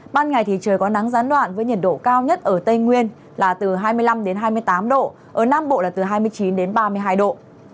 ban ngày thì trời có nắng gián đoạn với nhiệt độ cao nhất ở tây nguyên là từ hai mươi năm đến hai mươi tám độ ở nam bộ là từ hai mươi chín đến ba mươi hai độ